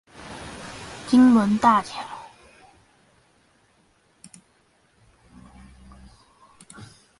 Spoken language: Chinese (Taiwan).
金崙大橋